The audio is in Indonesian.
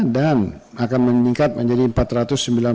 dan akan meningkat menjadi rp empat ratus sembilan puluh empat juta